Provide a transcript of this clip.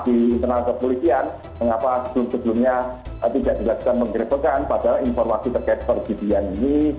di senang senang kepolisian mengapa sebelum sebelumnya tidak digelaskan menggeripakan pada informasi terkait perjudian ini